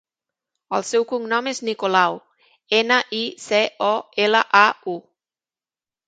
El seu cognom és Nicolau: ena, i, ce, o, ela, a, u.